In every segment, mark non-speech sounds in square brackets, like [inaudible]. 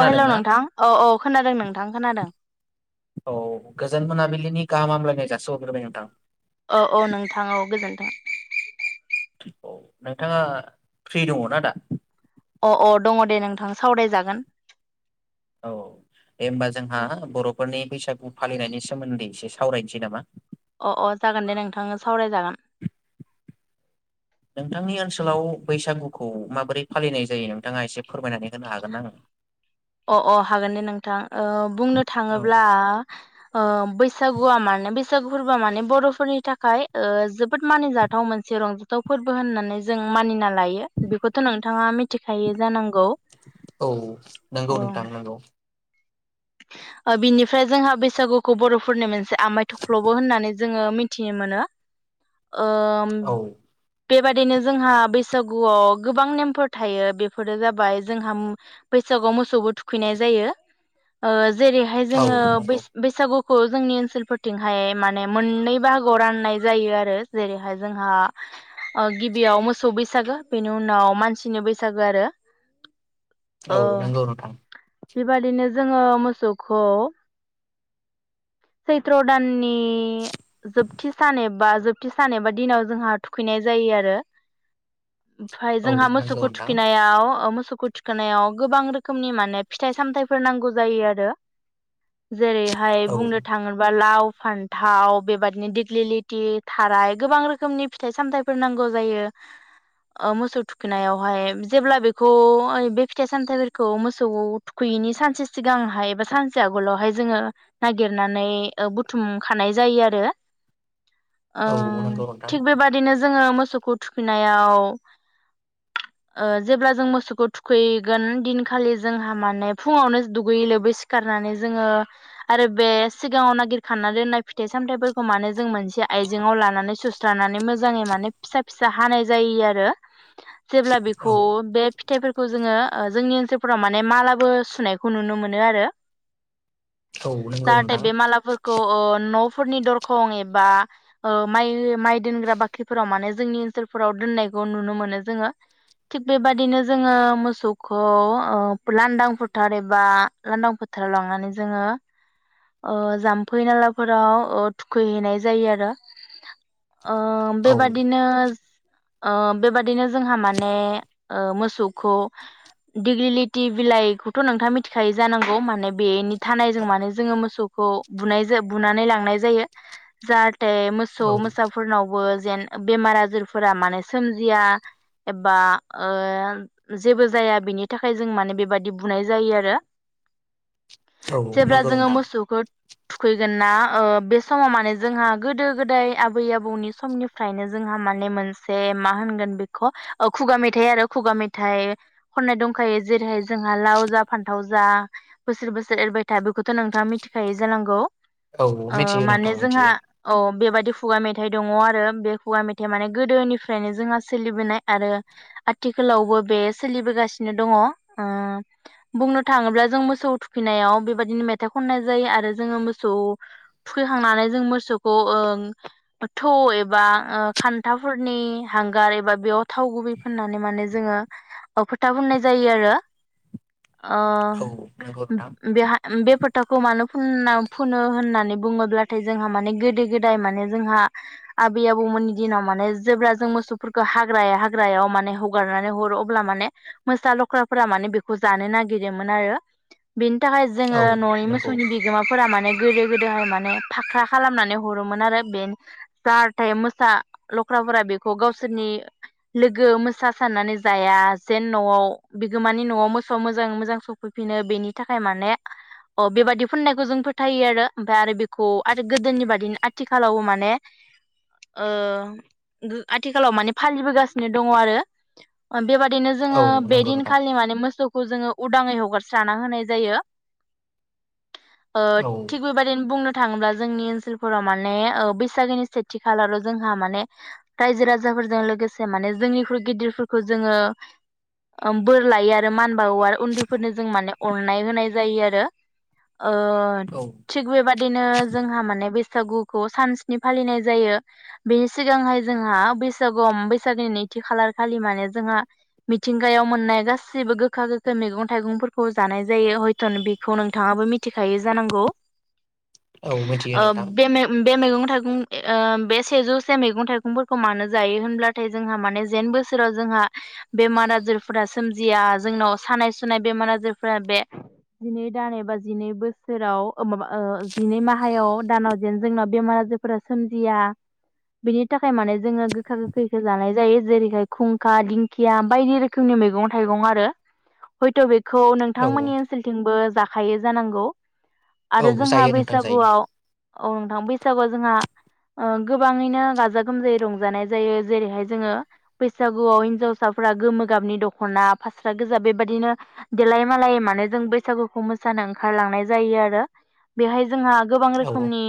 अ हेल नोंथां औ औ खोनादों नोंथां खोनादों। बिलिनि गाहाम हामलानाय जासिहरगोबाय नोंथां। औ औ नोंथां औ गोजोन्थों। औ नोंथाङा फ्रि दङ ना दा? अ अ दङ दे नोंथां सावरायजागोन। औ ए होनोमबा जोंहा बर'फोरनि बैसागु फालिनायनि सोमोन्दै एसे सावरायनोसै नामा। अ अ जागोन दे नोंथांनो सावरायजागोन। नोंथांनि ओनसोलाव बैसागुखौ माबोरै फालिनाय जायो नोंथाङा एसे फोरमायनानै होनो हागोन आंनो अ अ हागोन ने नोंथां। बुंनो थाङोब्ला बैसागुआ माने बै बैसागु फोरबो माने बरफोरनि थाखाय जोबोद मानिजाथाव मोनसे रंजाथाव फोरबो होननानै जों मानिना लायो बेखौथ नोंथाङा मिथिखायो जानांगौ। औ। नंगौ नोंथां नोंगौ। बिनिफ्राय जोंहा बैसागुखौ बर'फोरनि मोनसे आमाइ थख्लबो होननानै जोङो मि थि मोनो। ओ औ बेबादिनो जोंहा बैसागुआव गोबां नेमफोर थायो बेफोरो जाबाय जोंहा बैसागुआव मोसौबो थुखैनाय जायो। ओ जेरैहाय औ जोङो नंगौ नोंथां नंगौ औ नंगौ बैसागु खौ जोंनि ओनसोलफोरथिंहाय माने मोननै बाहागोआव राननाय जायो आरो जेरैहाय जोंहा गिबियाव मोसौ बैसागो बेनि उनाव मानसिनि बैसागो आरो औ नोंगौ नोंथां। बे बायदिनो जोङो मोसौखौ सैथ्र' दाननि जोबथि सान एबा जोब थि सानबा दिनाव जोंहा थुखैनाय जायो आरो। ओमफ्राय औ जोंहा नंगौ मोसौखौ नोंथां थुखैनायाव मोसौ मोसौखौ सुखु थिखोनाव गोबां रोखोमनि माने फिथाइ सामथाइफोर नांगौ जायो आरो। जेरैहाय औ बुंनो लाव फान्थाव बेबदिनो दिग्लिलिथि थाराय गोबां रोखोमनि फिथाइ सामथायफोर नांगौ जायो मोसौ थुखैनायावहाय जेब्ला बेखौ बे फिथाइ सामथायफोरखौ मोसौ थुखैयैनि सानसे सिगांहाय एबा सानसे आगोलावहाय जोङो सुनानै बुथुमखानाय जायो आरो ओ औ नंगौ नोंथां थिग बेबादिनो जोङो मोसौखौ थुखैनायाव ओ जेब्ला जों मोसौखौ थुखैगोन दिनखालि जोंहा माने फुङावनो दुगैयै लोबै सिखारनानै जोङो आरो बे सिगाङाव नागिरखाना दोननाय फिथाइ सामथाइफोरखौ मानो जों मोनसे आइजेंआव लानानै सोस लानानै मोजाङै माने फिसा फिसा हानाय जायो आरो जेब्ला औ बेखौ बे फिथाइफोरखौ जोङो ओ जोंनि ओनसोलफोराव माने मालाबो सुनायखौ नुनो मोनो आरो। औ नंगौ जाहाथे नोंथां बे मालाफोरखौ ओ न' फोरनि दरखं एबा ओ माइ माइ दोनग्रा बाख्रिफोराव माने जोंनि ओनसोलफोराव दोननायखौ नुनो मोनो जोङो थिग बेबादिनो जोङो मोसौखौ ओ लांदां फोथार एबा लांदां फोथाराव लांनानै जोङो ओ जामफै नालाफोराव ओ थुखैहैनाय जायो आरो। ओ औ बेबादिनो ओ बेबादिनो जोंहा माने ओ मोसौखौ दिगलिलिटि बिलाइखौथ' नोंथाङा मिथिखायो जानांगौ माने बेनि थानाय जों माने मोसौखौ बुनायजो बुनानै लांनाय जायो जा ते मोसौ औ मोसाफोरनावबो जेन बेमार आजोरफोरा माने सोमजिया एबा ओ जेबो जाया बिनि थाखाय जों माने बेबायदि बुनाय जायो आरो। औ नंगौ जोङो नोंथां मोसौखो थुखैगोना ओ बे समाव माने जोंहा गोदो गोदाय आबै आबौनि समनिफ्रायनो जोंहा माने मोनसे मा होनगोन बेखौ ओ खुगा मेथाइ आरो खुगा मेथाइ खननाय दंखायो जेरैहाय जोंहा लाव जा फान्थाव जा बोसोर बोसोर एरबाय था बेखौ थ' नोंथाङा मिथिखाय जानांगौ? औ ओ मिथियो माने नोंथां जोंहा मिथियो औ बेबायदि खुगा मेथाइ दङ'आरो बे खुगा मेथाइ माने गोदोनिफ्रायनो जोंहा सोलिबोनाय आरो आथिखालावबो बे सोलिबोगासिनो दङ' ओ बुंनो थाङोब्ला जों मोसौ थुखैनायाव बेबायदिनो मे थाइ खननाय जायो आरो जोङो मोसौ थुखैखांनानै जों ओ मोसौखौ ओ थौ एबा ओ खान्थाफोरनि हांगार एबा बेयाव थाव गुबै फाननानै माने जोङो ओ फोथा फुननाय जायो आरो। ओ औ नंगौ नोंथां बेहा ओम बे फो थाखौ मानो फुनना फुनो होननानै बुङोब्लाथाय जोंहा माने गोदो गोदाय माने जोंहा आबै आबौमोननि दिनाव माने जेब्ला जों मोसौफोरखौ हाग्रााया हाग्रायाव माने हगारनानै हरो अब्ला माने मोसा लख्राफोरा माने बेखौ जानो नागिरोमोन आरो बि थाखाय औ जोङो नंगौ मोसौनि बिगोमाफोरा माने गोदो गोदोहाय माने फाख्रा खालामनानै हरोमोन आरो बे जाहाथे मोसा लख्राफोरा बेखौ गावसोरनि लोगो मोसा साननानै जाया जेन न'आव बिगोमानि न'आव मोसौ मोजां मोजां सफैफिनो बेनि थाखाय माने अ बेबादि फुननायखौ जों फोथायो आरो ओमफाय आरो बेखौ आरो गोदोनि बादिनो आथिखालाव माने ओ गो आथिखालाव माने फालिबोगासिनो दङ' आरो बेबादिनो औ जोङो बे नंगौ नोंथां दिनखालि माने मोसौखौ जोङो उदाङै हगारस्रा होनाय जायो। ओ औ थिग बेबादिनो बुंनो थाङोब्ला जोंनि ओनसोलफोराव माने औ बैसागोनि सेथि खालाराव जोंहा माने रायजो राजाफोरजों लोगोसे माने जोंनिख्रुइ गिदिरफोरखौ जोङो ओ बोर लायो आरो मान बावो आरो उन्दैफोरनो जों माने अननाय होनाय जायो आरो। ओ औ थिग बेबाय दिनो जोंहा माने बैसागुखौ सान स्नि फालिनाय जायो बेनि सिगांहाय जोंहा बैसागु बैसागोनि नैथि खालार खालि माने जोंहा मिथिंगायाव मोननाय गासिबो गोखा गोखाै मैगं थाइगंफोरखौ जानाय जायो हयथ'न बेखौ नों नोंथाङाबो मिथिखायो जानांगौ। औ मिथियो ओ नोंथां बे मे मैगं [unintelligible] ओ थाइगं बे सेजौसे मैगं थाइगंफोरखौ मानो जायो होनब्लाथाय जोंहा माने जेन बोसोराव जोंहा बेमार आजारफोरा सोमजिया जोंनाव सानाय सुनाय बेमार आजारफोरा बे दान एबा जिनै बोसोराव माबा जिनै माहायाव दानाव जेन जोंनाव बेमार आजारफोरा सोमजिया बेनि थाखाय माने जोङो गोखा गोखैखौ जानाय जायो जेरैहाय खुंखा दिंखिया बायदि रोखोमनि मैगं थाइगं आरो हयथ' बे खौ औ नोंथांमोननि ओनसोलथिंबो जा खायो जानांगौ। आरो औ जोंहा जायो नोंथां जायो बैसागुआव ओं थां बैसागुआव जोंहा ओ गोबाङैनो गाजा गोमजायै रंजानाय जायो। जेरैहाय जोङो बैसागुआव हिनजावसाफोरा गोमो गाबनि दख'ना फास्रा गोजा बेबायदिनो देलाय मालायै माने जों बैसागु खौ मोसानो ओंखारलांनाय जायो आरो बेवहाय जोंहा गोबां औ रोखोमनि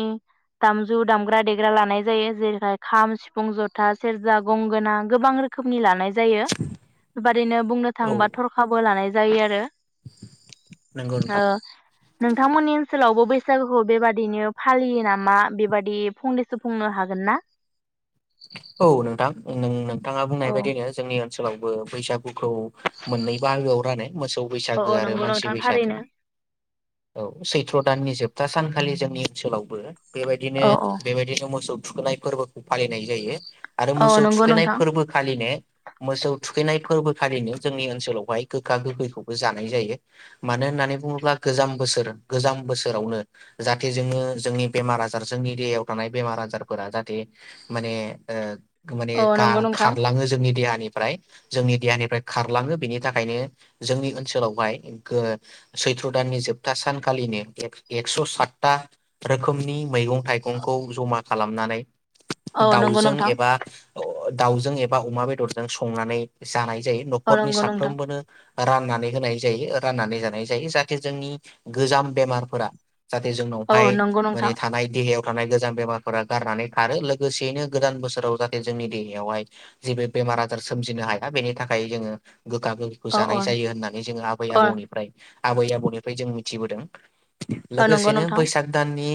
दामजु दामग्रा देग्रा लानाय जायो। जेरैहाय खाम, सिफुं, जथा, सेरजा गंगोना गोबां रोखोमनि लानाय जायो। बात ओरैनो बुंनो थाङोबा थरखाबो लानाय जायो आरो [inaudible] नोंगौ नोंथां। ओ नोंथांमोननि ओनसोलावबो बैसागुखौ बेबादिनो फालियो नामा बेबादि फंनैसो बुंनो हागोन ना? औ नोंथां नों नों थांङा बुंनाय औ बायदिनो जोंनि ओनसोलावबो बैसागु खौ मोननै बाहागोआव [unintelligible] मोसौ औ बैसागो औ आरो नंगौ मानसि नोंथां बैसागो। थारैनो औ सैथ्र' दाननि जोबथा सान खालि जोंनि ओनसोलावबो बेबायदिनो औ औ बेबायदिनो मोसौ थुखैनाय फोरबोखौ फालि नाय जायो। आरो औ मोसौ नंगौ थुखैनाय नोंथां फोरबो खालिनो मोसौ थुखैनाय फोरबोखालिनो जोंनि ओनसोलावहाय गोखा गोखैखौबो जानाय जायो। मानो होननानै बुङोब्ला गोजाम बोसोर गोजाम बोसोरावनो जाहाथे जोङो जोंनि बेमार आजार जोंनि देहायाव थानाय बेमार आजारफोरा जाहाथे माने ओ माने औ गा नंगौ नोंथां खारलाङो जोंनि देहानिफ्राय। जोंनि देहानिफ्राय खारलाङो बेनि थाखायनो जोंनि ओनसोलावहाय गो सैथ्र' दाननि जोबथा सानखालिनो एक्स' सातथा रोखोमनि मैगं थाइगंखौ जमा खालामनानै औ नंगौ दाउजों नोंथां एबा दाउजों एबा अमा बेदरजों संनानै जानाय जायो। औ न'खरनि नंगौ नोंथां साफ्रोमबोनो राननानै होनाय जायो राननानै जानाय जायो जाहाथे जोंनि गोजाम बेमारफोरा जाहाथे औ जोंनावहाय नंगौ माने नोंथां थानाय देहायाव थानाय गोजां बेमारफोरा गारनानै खारो लोगोसेयैनो गोदान बोसोराव जाहाथे जोंनि देहायावहाय जेबो बेमार आजार सोमजिनो हाया बेनि थाखाय जोङो गोखा गोखैखौ औ जानाय औ जायो होननानै जोङो आबै अ आबौनिफ्राय आबै आबौनिफ्राय जों मिथिबोदों। औ नंगौ लोगोसेनो नोंथां बैसाग दाननि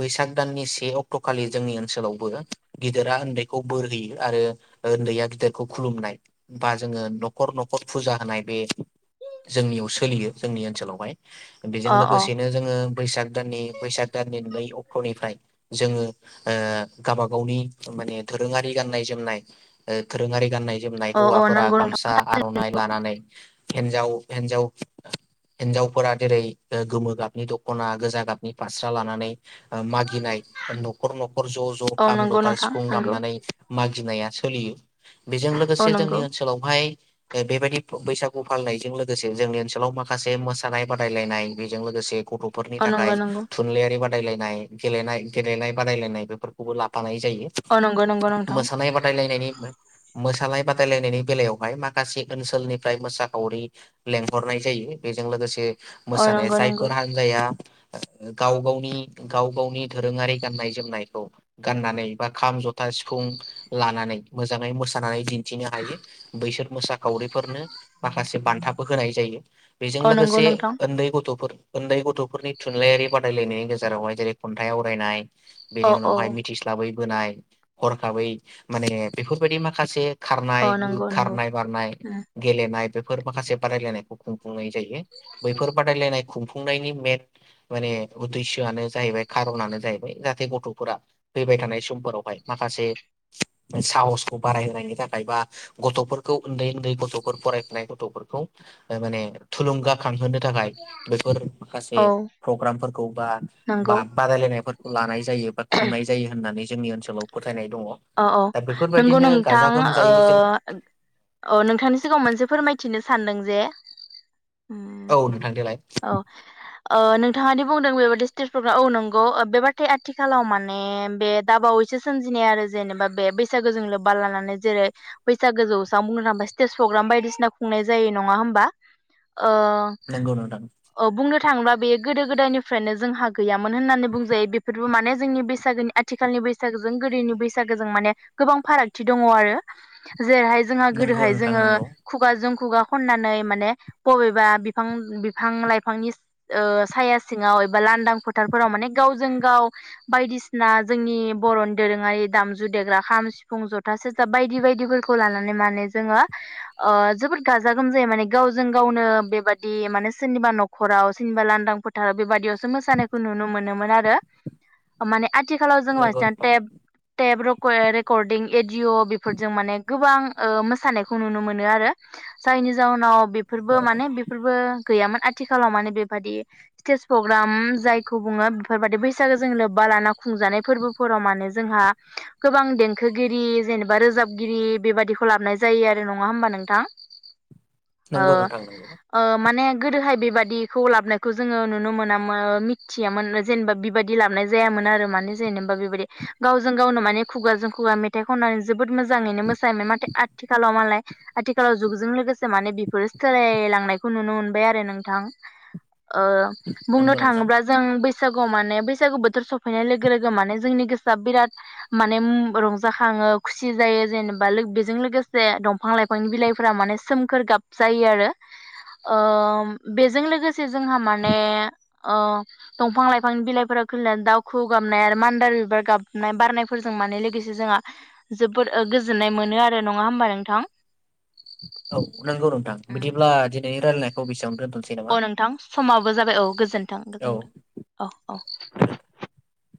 बैसाग दाननि बे अक्ट'खालि जोंनि ओनसोलावबो गिदिरा उन्दैखौ बोर होयो आरो उन्दैया गिदिरखौ खुलुमनाय बा जोङो न'खर न'खर फुजा होनाय बे जोंनियाव सोलियो जोंनि ओनसोलावहाय। बेजों अ अ लोगोसेनो जोङो बैसाग दाननि बैसाग दाननि नै अक्ट'निफ्राय जोङो गावब गावनि माने दोरोङारि गाननाय जोमनाय दोरोङारि गाननाय जोमनाय औ औ हौवाफोरा नंगौ नोंथां गामसा आर'नाइ लानानै हिजाव हिन्जाव हिनजावफोरा जेरै गोमो गाबनि दख'ना गोजा गाबनि फास्रा लानानै मागिनाय न'खर न'खर ज' ज' औ खाम नंगौ जथा नोंथां सिफुं नंगौ दामनानै मागिनायासो सलियो बेजों औ लोगोसे नंगौ जोंनि ओनसोलावहाय बेबायदि बैसागु फालिनायजों लोगोसे जोंनि ओनसोलाव माखासे मोसानाय बादायलायनाय बेजों लोगोसे गथ'फोरनि अ थाखाय नंगौ नंगौ थुनलाइारि बाद नाय गेलनाय बादायलायनाय बे खौबो लांफानाय जायो अ नंगौ नंगौ नोंथां मोसानाय बादायलनायनि मोसानाय बादायलायनायनि बेलायावहाय माखासे ओनसोलनिफ्राय मोसाखावरि लेंहरनाय जायो बेजों लोगोसे अ मोसानाया नंगौ नंगौ जायफोर हान्जाया गाव-गावनि गाव-गावनि दोरोङारि गाननाय जोमनायखौ गाननानै बा खाम जथा सिफुं लानानै मोजाङै मोसानानै दिन्थिनो हायो बैसोर मोसाखावरिफोरनो माखासे बान्थाबो होनाय जायो। बेजों अ नंगौ लोगोसे नोंथां उन्दै गथ'फोर उन्दै गथ'फोरनि थुनलाइयारि बादायलायनायनि गेजेरावहाय जेरै खन्थाइ आवरायनाय अ बेनि औ उनावहाय बोनाय हरखाबै माने बेफोरबायदि माखासे अ नंगौ नंगौ खारनाय-खारनाय बारनाय गेलनाय माखासे बादायलायनायखौ बुंनाय जायो बैफोर बादायलायनाय खुंफुंनायनि मेन माने उदिसआनो जाहैबाय खारनानो जाहैबाय जाहाथे गथ'फोरा फैबाय थानाय समफोरावहाय माखासे साहसखौ बारायहोनायनि थाखाय बा गथ'फोरखौ उन्दै उन्दै गथ' फरायफुनाय गथ'फोरखौ माने थुलुंगा थांहोनो थाखाय बेफोर माखासे औ प्रग्रामफोरखौ बा-बा नंगौ बादायलायनायफोरखौ लानाय जायो बा खुंनाय जा नानै जोंनि ओनसोलाव फोथायनाय दङ औ‌ दा नंगौ बेफोरबायदिनो गाजा नोंथां ओ गोमजायै जों औ नोंथांनि सिगाङाव मोनसे फोरमाय मिथिनो सान्दों जे औ नोंथां देलाय ओ‌‌ नोंथाङा दि बुंदों बेबायदि स्टेज प्रग्राम औ नंगौ बे बाथाया आथिखालाव माने बे दाबावैसो सोमजिनाय आरो। जेनेबा बे बैसागोजों लोब्बा लानानै जेरै बैसागो जौस्रां बुंनो थांबा स्टेज प्रग्राम बायदिसिना खुंनाय जायो नङा होमबा आ नंगौ नोंथां औ बुंनो थांबा बेयो गोदो गोदायनिफ्रायनो जोंहा गैयामोन होननानै बुंजायो बेफोरबो माने जोंनि बैसागोनि आथिखालनि बैसागोजों गोदोनि बैसागु बैसागोजों माने गोबां फारागथि दङ आरो‌। जेरैहाय जोंहा नंगौ गोदोहाय नोंथां जोङो नंगौ खुगाजों खुगा खननानै माने बबेबा बिफां बिफां-लाइफांनि साया सिङाव एबा लांदां फोथारफोराव माने गावजों गाव बायदिसिना जोंनि बर'नि दोरोङारि दामजु देग्रा खाम सिफुं जथा सेरजा बायदि-बायदिफोरखौ लानानै माने जोङो ओ जोबोद गाजा गोमजायै माने गावजों गावनो बेबादि माने सोरनिबा न'खराव सोरनिबा लांदां फोथाराव बेबादियावसो मोसानायखौ नुनो मोनोमोन आरो माने आथिखालाव जोङो नंगौ बांसिनानो नोंथां टेब टप रेकर्डिं एडिय' बेफोरजों माने गोबां मोसानायखौ नुनो मोनो आरो जायनि जाउनाव बेफोरबो नंगौ नोंथां माने बेफोरबो गैयामोन आथिखालाव माने बेबायदि स्टेज प्रग्राम जायखौ बुङो बेफोरबायदि बैसागो जों लोब्बा लाना खुंजानाय फोरबोफोराव माने जोंहा गोबां देंखोगिरि जेनेबा रोजाबगिरि बेबायदिखौ लाबनाय जायो आरो नङा होमबा नोंथां। अ नंगौ नोंथां नंगौ अ माने गोदोहाय बेबादिखौ लाबनायखौ जोङो नुनो मोनामोन मिथियामोन जेनेबा बेबायादि लाबनाय जायामोन आरो माने जेनेबा बेबायदि गाव जों गावनो माने खुगाजों खुगा मेथाइ खननानै जोबोद मोजाङैनो मोसायोमोन नाथाय आथिखालाव मालाय आथिखालाव जुगजों लोगोसे माने बेफोरो सोलायलांनायखौ नुनो मोनबाय आरो नोंथां। ओ बुंनो नंगौ नोंथां थाङोब्ला जों बैस बैसागु माने बैसागु बोथोर सफैनाय लोगो लोगो माने जोंनि गोसोआ बिराद माने रंजाखाङो खुसि जायो जेनेबा बेजों लोगोसे दंफां लाइफां बिलाइफोरा माने सोमखोर गाब जायो आरो बेजों लोगोसे जोंहा माने दंफां लाइफांनि बिलाइफोरा खनानै दाउखु गाबनाय आरो मान्दार बिबार गाब बारनायफोरजों मान लोगोसे जोंहा जोबोद गोजोननाय मोनो आरो नङा होमबा नोंथां। औ नंगौ नोंथां बिदिब्ला दि नैनि रायनायखौ बेसेयावनो दोनथ'बाय। औ नोंथां समाबो जाबाय औ। गोजोन थों औ गोजोनथों औ औ।